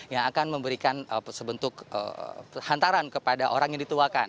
yang akan memberikan sebentuk hantaran kepada orang yang dituakan